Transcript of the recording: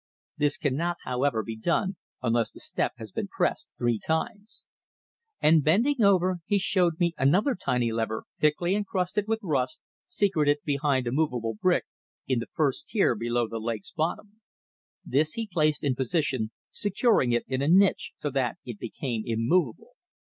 This cannot, however, be done unless the step has been pressed three times." And bending over he showed me another tiny lever thickly encrusted with rust, secreted behind a movable brick in the first tier below the lake's bottom. This he placed in position, securing it in a niche so that it became immovable.